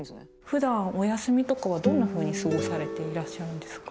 ふだんお休みとかはどんなふうに過ごされていらっしゃるんですか？